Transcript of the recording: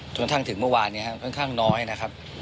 ส่วนทางถึงเมื่อวานเนี่ยครับค่อนข้างน้อยนะครับ